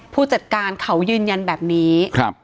ผู้จัดการเขายืนยันแบบนี้